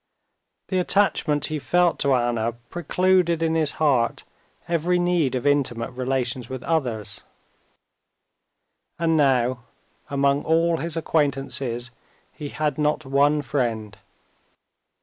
The attachment he felt to Anna precluded in his heart every need of intimate relations with others. And now among all his acquaintances he had not one friend.